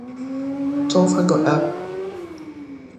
裝返個 app